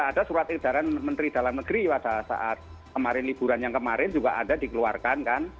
ada surat edaran menteri dalam negeri pada saat kemarin liburan yang kemarin juga ada dikeluarkan kan